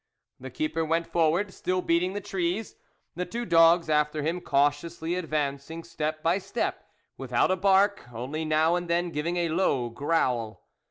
The keeper went forward, still beating the trees, the two dogs after him cau tiously advancing step by step, without a bark, only now and then giving a low growl.